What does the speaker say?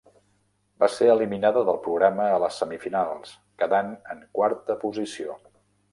Va ser eliminada del programa a les semifinals, quedant en quarta posició.